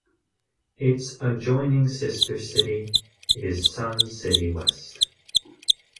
Its adjoining sister city is Sun City West.